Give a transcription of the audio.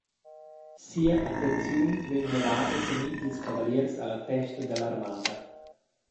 Sia attenizun vegn menada sin in dils cavaliers alla testa dall’armada.